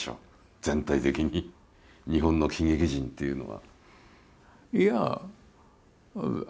全体的に日本の喜劇人っていうのは。